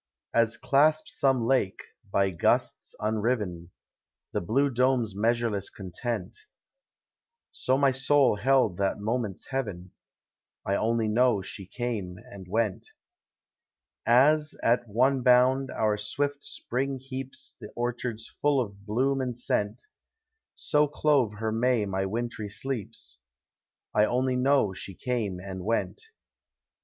As clasps some lake, by gusts unriven. The blue dome's measureless content. So my soul held that moment's heaven;— 1 only know she came and went. As, at one bound, our swift Spring heaps The orchards full of bloom and sceut, So clove her May my wintry sleeps; — I only know she came and weut.